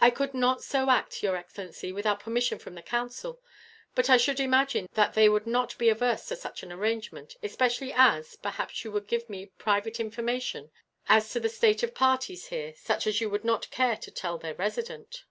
"I could not so act, your excellency, without permission from the Council; but I should imagine that they would not be averse to such an arrangement, especially as, perhaps, you would give me private information as to the state of parties, here, such as you would not care to tell their Resident."